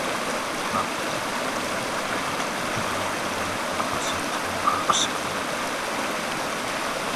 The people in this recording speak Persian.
وقتی داری غرق میشی، باید نفست رو حبس کنی